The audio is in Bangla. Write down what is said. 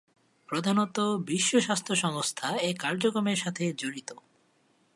প্রধানতঃ বিশ্ব স্বাস্থ্য সংস্থা এ কার্যক্রমের সাথে জড়িত।